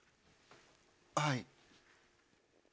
はい。